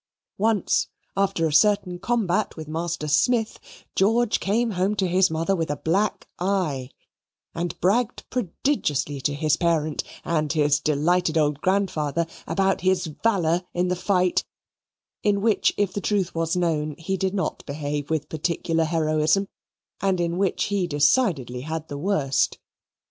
Once, after a certain combat with Master Smith, George came home to his mother with a black eye, and bragged prodigiously to his parent and his delighted old grandfather about his valour in the fight, in which, if the truth was known he did not behave with particular heroism, and in which he decidedly had the worst.